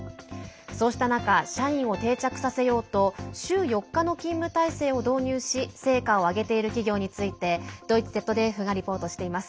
そうした中社員を定着させようと週４日の勤務体制を導入し成果を上げている企業についてドイツＺＤＦがリポートしています。